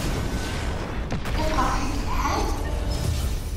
Iqṛeḥ-ik lḥal?